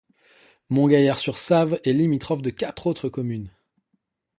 Montgaillard-sur-Save est limitrophe de quatre autres communes.